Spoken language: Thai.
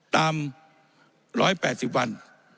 ตาม๑๘๐วัน